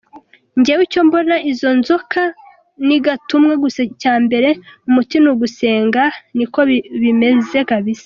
Jyewe icyo mbona izonzoka nigatumwa gusa icya mbele umuti nuguse nga Niko bimezekbs.